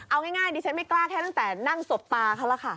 เอาง่ายดิฉันไม่กล้าแค่ตั้งแต่นั่งสบตาเขาแล้วค่ะ